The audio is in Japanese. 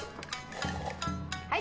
はい。